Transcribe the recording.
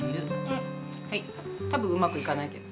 はい多分うまくいかないけど。